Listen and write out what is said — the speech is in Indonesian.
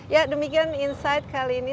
ya demikian insight kali ini